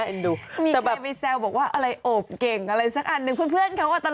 โดมก็บอกงงนิด